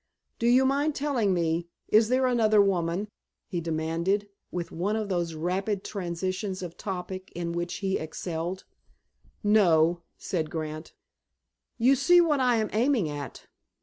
"Do you mind telling me—is there another woman?" he demanded, with one of those rapid transitions of topic in which he excelled. "No," said Grant. "You see what I am aiming at.